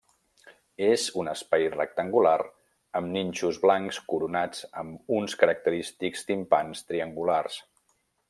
És un espai rectangular amb nínxols blancs coronats amb uns característics timpans triangulars.